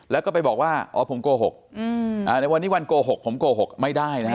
แล้วก็ไปบอกว่าอ๋อผมโกหกในวันนี้วันโกหกผมโกหกไม่ได้นะฮะ